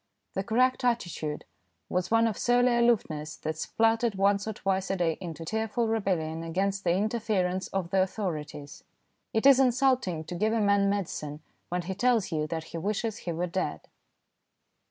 The correct attitude was one of surly aloofness that spluttered once or twice a day into tearful rebellion against the interference of the authorities. It is insulting to give a man medicine when he tells you that he wishes he were dead.